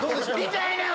痛いねん！